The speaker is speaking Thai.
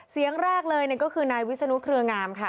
เสียงแรกเลยก็คือนายวิศนุเครืองามค่ะ